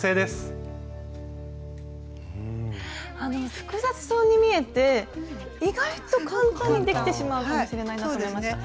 複雑そうに見えて意外と簡単にできてしまうかもしれないなと思いました。